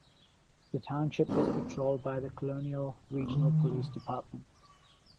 The township is patrolled by the Colonial Regional Police Department.